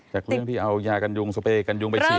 จากเรื่องที่เอายากันยุงสเปย์กันยุงไปฉีด